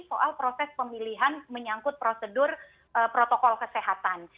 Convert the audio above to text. jadi soal proses pemilihan menyangkut prosedur protokol kesehatan